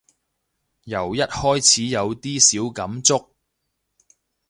由一開始有啲小感觸